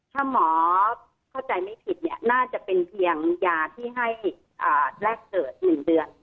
ถ้าหมอเข้าใจไม่ผิดเนี่ยน่าจะเป็นเพียงยาที่ให้แรกเกิด๑เดือน